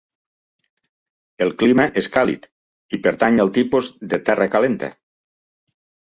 El clima és càlid i pertany al tipus de terra calenta.